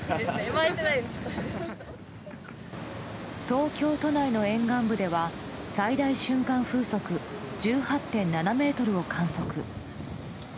東京都内の沿岸部では最大瞬間風速１８．７メートルを観測。